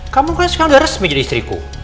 kamu kan sekarang udah resmi jadi istriku